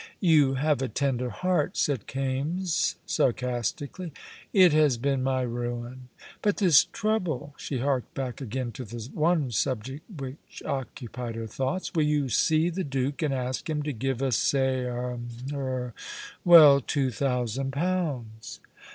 "You have a tender heart," said Kaimes, sarcastically. "It has been my ruin. But this trouble " She harked back again to the one subject which occupied her thoughts. "Will you see the Duke, and ask him to give us say er er well, two thousand pounds?"